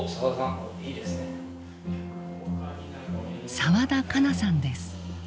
澤田佳奈さんです。